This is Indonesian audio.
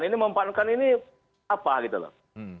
ini mempankan ini apa gitu loh